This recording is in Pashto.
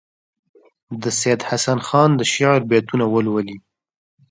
د سیدحسن خان د شعر بیتونه ولولي.